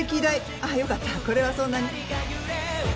あっ良かったこれはそんなに。